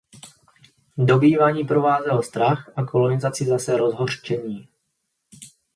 Dobývání provázel strach a kolonizaci zase rozhořčení.